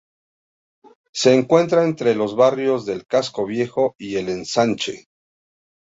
Se encuentra entre los barrios del Casco Viejo y el Ensanche.